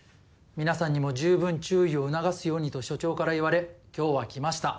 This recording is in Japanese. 皆さんにもじゅうぶん注意を促すようにと所長から言われ今日は来ました。